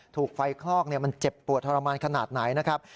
ถูกไฟคลอกมันเจ็บปวดทรมานขนาดไหนนะครับ